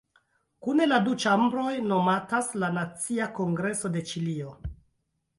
Kune la du ĉambroj nomatas la "Nacia Kongreso de Ĉilio".